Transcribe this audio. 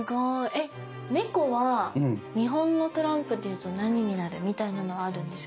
えネコは日本のトランプで言うと何になるみたいなのはあるんですか？